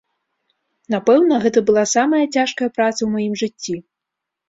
Напэўна, гэта была самая цяжкая праца ў маім жыцці.